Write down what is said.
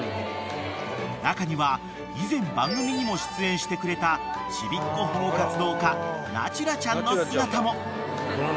［中には以前番組にも出演してくれたちびっ子保護活動家渚美ちゃんの姿も］